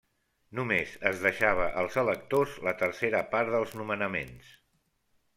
Només es deixava als electors la tercera part dels nomenaments.